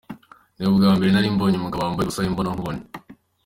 Ni ubwa mbere nari mbonye umugabo wambaye ubusa imbonankubone.